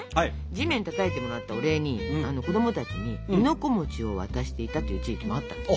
地面たたいてもらったお礼に子どもたちに亥の子を渡していたという地域もあったみたい。